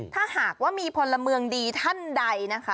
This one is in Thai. ถ้าหากว่ามีพลเมืองดีท่านใดนะคะ